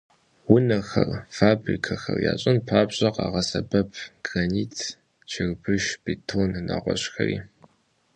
Унэхэр, фабрикэхэр ящӀын папщӀэ, къагъэсэбэп гранит, чырбыш, бетон, нэгъуэщӀхэри.